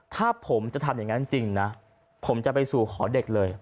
ถ้าผมจะทำอย่างนั้นจริงนะผมจะไปสู่ขอเด็กเลย